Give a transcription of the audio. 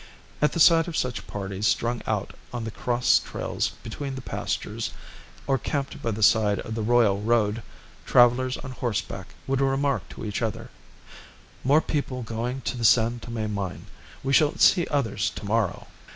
At the sight of such parties strung out on the cross trails between the pastures, or camped by the side of the royal road, travellers on horseback would remark to each other "More people going to the San Tome mine. We shall see others to morrow."